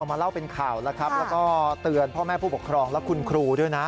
มาเล่าเป็นข่าวแล้วครับแล้วก็เตือนพ่อแม่ผู้ปกครองและคุณครูด้วยนะ